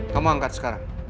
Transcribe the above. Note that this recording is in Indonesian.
kamu angkat sekarang